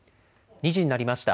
２時になりました。